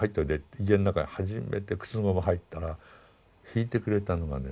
家ん中へ初めて靴のまま入ったら弾いてくれたのがね